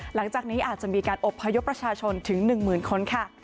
หลังจากนี้อาจจะมีการอบพยพประชาชนถึง๑๐๐๐คนค่ะ